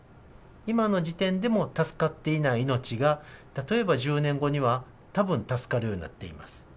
今の時点でも助かっていない命が、例えば１０年後にはたぶん助かるようになっています。